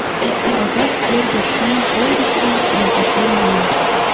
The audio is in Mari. Кагаз кӧргӧ ший полдыш гай йолташем уло.